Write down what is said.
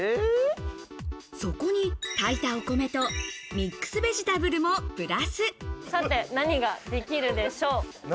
そこに炊いたお米とミックスさて何ができるでしょう？